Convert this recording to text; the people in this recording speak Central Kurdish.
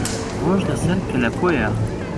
ڕۆژ لە سەر کەلەپۆیە